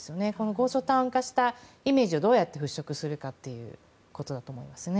ゴーストタウン化したイメージをどうやって払拭するかだと思うんですね。